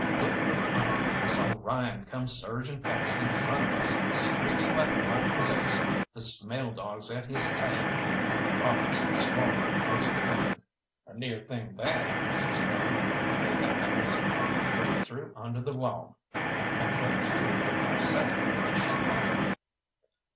Looking from under, I saw Ryan come surging past in front of us, screeching like all possessed, the smell dogs at his tail, and the robbers swarming close behind. "A near thing that," says Curly, when they had passed; "creep through under the log." I crept through with my sack, and she followed.